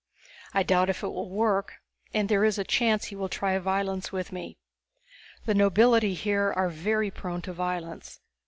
I doubt if it will work and there is a chance he will try violence with me. The nobility here are very prone to violence.